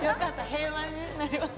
平和になります。